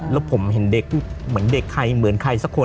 แล้วผมเห็นเด็กเหมือนเด็กใครเหมือนใครสักคน